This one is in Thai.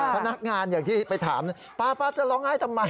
พนักงานอย่างที่ไปถามป้าจะร้องไห้ทำไม